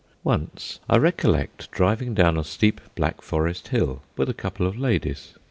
Once I recollect driving down a steep Black Forest hill with a couple of ladies.